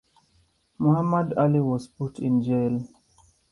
Mohammad Ali was put in jail.